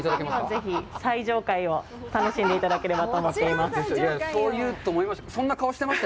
ぜひ、最上階を楽しんでいただければと思っています。